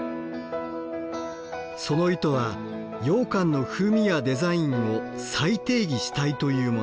その意図はようかんの風味やデザインを再定義したいというもの。